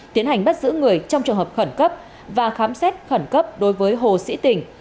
tiến hành bắt giữ người trong trường hợp khẩn cấp và khám xét khẩn cấp đối với hồ sĩ tình